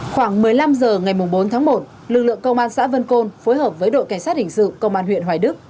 khoảng một mươi năm h ngày bốn tháng một lực lượng công an xã vân côn phối hợp với đội cảnh sát hình sự công an huyện hoài đức